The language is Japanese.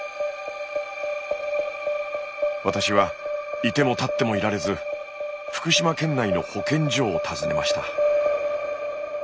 私は居ても立っても居られず福島県内の保健所を訪ねました。